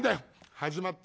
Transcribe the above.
「始まった。